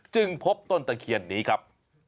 จึงพบต้นตะเคียนนี้ครับ